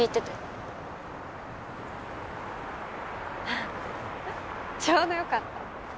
ハハッちょうどよかった。